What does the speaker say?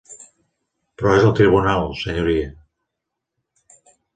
Però és al tribunal, senyoria.